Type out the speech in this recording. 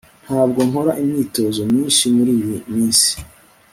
ntabwo nkora imyitozo myinshi muriyi minsi